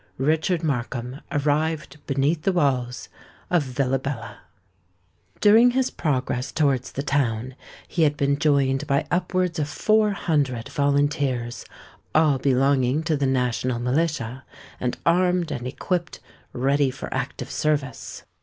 —Richard Markham arrived beneath the walls of Villabella. During his progress towards the town, he had been joined by upwards of four hundred volunteers, all belonging to the national militia, and armed and equipped ready for active service.